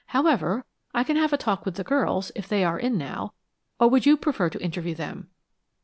However, I can have a talk with the girls, if they are in now or would you prefer to interview them?"